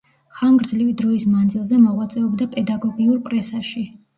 ხანგრძლივი დროის მანძილზე მოღვაწეობდა პედაგოგიურ პრესაში.